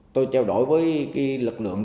tôi treo đổi với lực lượng